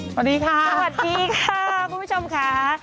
สวัสดีครับคุณผู้ชมข้า